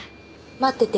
待ってて。